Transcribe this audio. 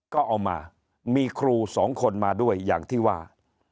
ก็เอามามีครูสองคนมาด้วยอย่างที่ว่า